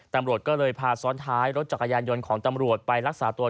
ตำรวจก็เลยพาซ้อนท้ายรถจักรยานยนต์ของตำรวจไปรักษาตัว